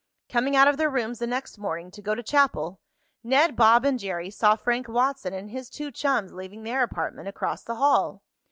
Coming out of their rooms the next morning to go to chapel, Ned, Bob and Jerry saw Frank Watson and his two chums leaving their apartment across the hall.